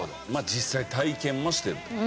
実際体験もしてると。